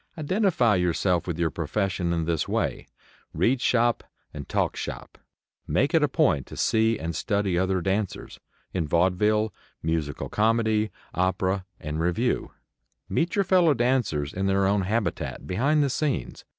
Identify yourself with your profession in this way; read "shop" and talk "shop." Make it a point to see and study other dancers, in vaudeville, musical comedy, opera and revue. Meet your fellow dancers in their own habitat, behind the scenes.